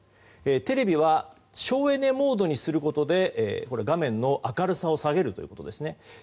テレビは省エネモードにすることで画面の明るさを下げるということですね。